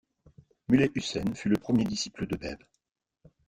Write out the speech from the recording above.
Mullá Husayn fut le premier disciple du Báb.